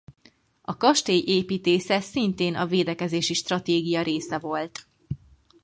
A kastély építése szintén a védekezési stratégia része volt.